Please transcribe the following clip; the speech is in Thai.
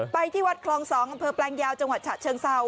ไปที่วัดคลอง๒อำเภอแปลงยาวจังหวัดฉะเชิงเซา